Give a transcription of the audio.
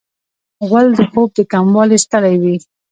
غول د خوب د کموالي ستړی وي.